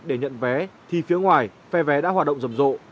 để nhận vé thì phía ngoài phe vé đã hoạt động rầm rộ